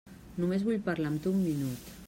Només vull parlar amb tu un minut.